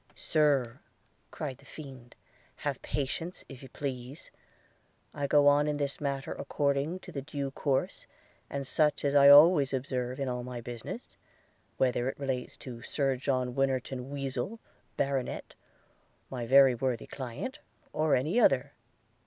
'Sir," cried the fiend, 'have patience if you please – I go on in this matter according to the due course, and such as I always observe in all my business, whether it relates to Sir John Winnerton Weezle, Baronet, my very worthy client, or any other.